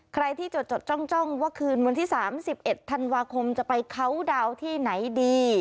ใครที่จดจดจ้องจ้องว่าคืนวันที่สามสิบเอ็ดธันวาคมจะไปเขาดาวน์ที่ไหนดี